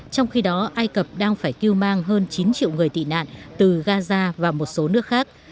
trong khi đó ai cập đang phải cứu mang hơn chín triệu người tị nạn từ gaza và một số nước khác